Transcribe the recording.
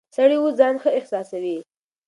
سړی اوس ځان ښه احساسوي.